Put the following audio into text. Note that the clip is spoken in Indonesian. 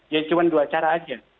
jadi cuma dua cara saja